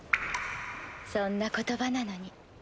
そんな言葉なのに。